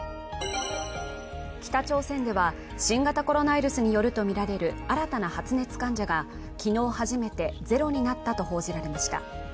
北朝鮮では、新型コロナウイルスによるとみられる新たな発熱患者が昨日初めてゼロになったと報じられました。